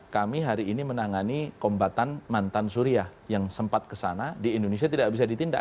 kami hari ini menangani kombatan mantan surya yang sempat kesana di indonesia tidak bisa ditindak